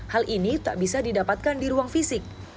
hal ini tak bisa didapatkan di ruang fisik